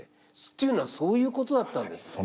っていうのはそういうことだったんですね？